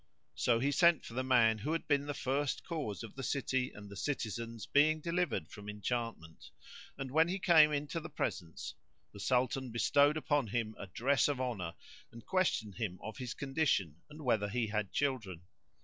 So he sent for the man who had been the first cause of the city and the citizens being delivered from enchantment and, when he came into the presence, the Sultan bestowed upon him a dress of honour, and questioned him of his condition and whether he had children.